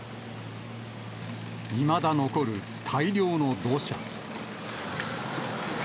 いまだ残る大量の土砂。